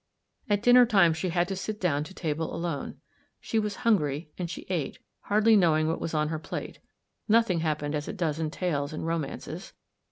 At dinner time she had to sit down to table alone. She was hungry, and she ate hardly knowing what was on her plate. Nothing happened as it does in tales and romances.